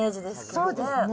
そうですね。